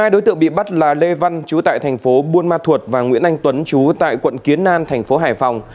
hai đối tượng bị bắt là lê văn trú tại thành phố buôn ma thuột và nguyễn anh tuấn chú tại quận kiến an thành phố hải phòng